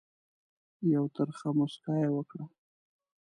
یوه ترخه مُسکا یې وکړه.